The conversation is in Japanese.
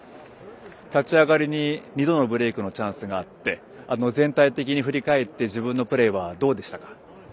立ち上がりに２度のブレークのチャンスがあって全体的に振り返って自分のプレーはどうでしたか。